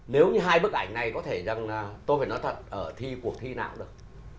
nếu như hai bức ảnh này có thể rằng là tôi phải nói thật ở thi cuộc thi nào được